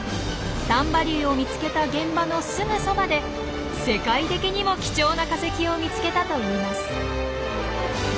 丹波竜を見つけた現場のすぐそばで世界的にも貴重な化石を見つけたといいます。